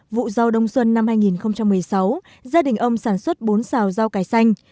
vụ rau đông xuân năm hai nghìn một mươi sáu gia đình ông sản xuất bốn xào rau cải xanh